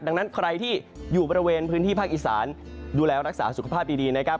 ดังนั้นใครที่อยู่บริเวณพื้นที่ภาคอีสานดูแลรักษาสุขภาพดีนะครับ